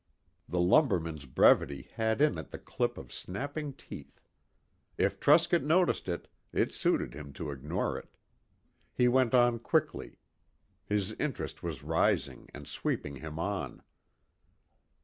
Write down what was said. The lumberman's brevity had in it the clip of snapping teeth. If Truscott noticed it, it suited him to ignore it. He went on quickly. His interest was rising and sweeping him on.